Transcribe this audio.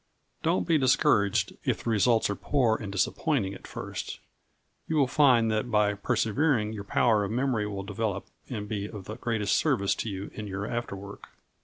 Don't be discouraged if the results are poor and disappointing at first you will find that by persevering your power of memory will develop and be of the greatest service to you in your after work.